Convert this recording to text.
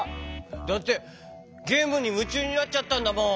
だってゲームにむちゅうになっちゃったんだもん。